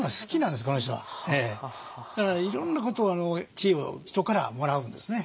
だからいろんなことを知恵を人からもらうんですね。